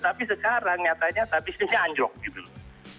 tapi sekarang nyatanya bisnisnya anjlok gitu loh